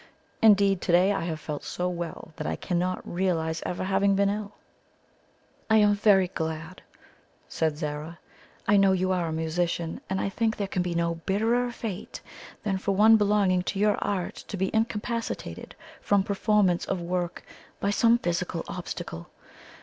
"Indeed, to day I have felt so well, that I cannot realize ever having been ill." "I am very glad," said Zara, "I know you are a musician, and I think there can be no bitterer fate than for one belonging to your art to be incapacitated from performance of work by some physical obstacle.